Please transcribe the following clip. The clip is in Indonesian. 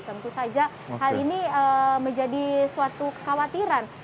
tentu saja hal ini menjadi suatu kekhawatiran